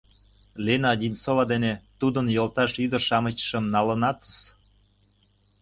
Лена Одинцова ден тудын йолташ ӱдыр-шамычшым налынатыс.